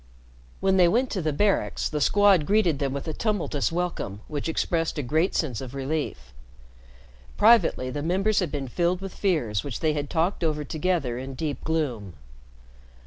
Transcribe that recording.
When they went to the Barracks, the Squad greeted them with a tumultuous welcome which expressed a great sense of relief. Privately the members had been filled with fears which they had talked over together in deep gloom.